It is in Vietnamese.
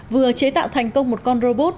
vừa chế tạo thành công một con robot